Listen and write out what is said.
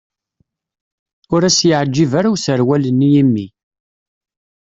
Ur as-yeɛǧib ara userwal-nni i mmi.